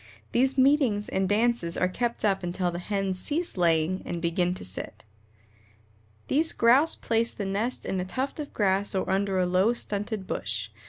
These meetings and dances are kept up until the hens cease laying and begin to sit." These Grouse place the nest in a tuft of grass or under a low, stunted bush.